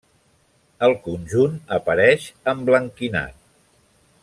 El conjunt apareix emblanquinat.